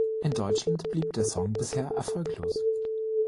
In Deutschland blieb der Song bisher erfolglos.